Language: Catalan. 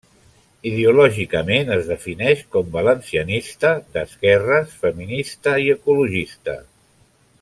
Ideològicament es defineix com valencianista, d'esquerres, feminista i ecologista.